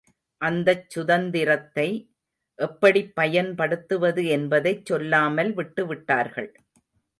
அந்தச் சுதந்திரத்தை எப்படிப் பயன்படுத்துவது என்பதைச்சொல்லாமல் விட்டுவிட்டார்கள்.